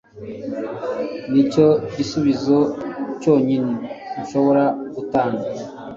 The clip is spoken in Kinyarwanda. nicyo gisubizo cyonyine nshobora gutanga